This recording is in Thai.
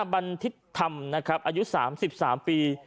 บันทึกธรรมนะครับอายุ๓๓ปี